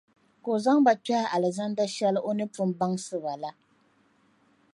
Ka O zaŋ ba kpεhi Alizanda shεli O ni pun baŋsi ba la.